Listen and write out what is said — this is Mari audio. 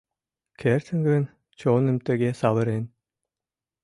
Кертын гын чоным тыге савырен?